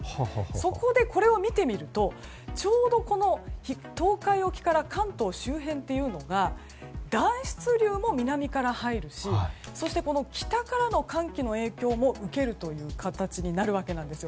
そこで、これを見てみると東海沖から関東周辺というのが暖湿流も南から入るしそして、北からの寒気の影響受けるという形になるわけです。